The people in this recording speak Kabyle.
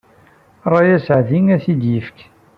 Ṛṛay asaɛdi ad t-id-ifk.